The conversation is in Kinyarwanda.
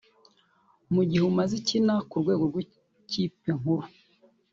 Mu gihe umaze ukina ku rwego rw’ikipe nkuru